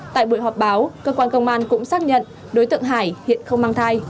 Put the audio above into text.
tại buổi họp báo cơ quan công an cũng xác nhận đối tượng hải hiện không mang thai